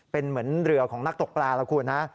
เป็นเหมือนเรือของนักตกปลาล่ะคุณฮะ